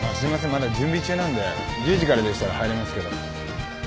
まだ準備中なんで１０時からでしたら入れますけど。